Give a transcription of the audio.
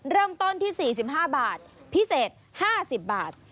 เริ่มต้นที่๔๕บาทพิเศษ๕๐บาท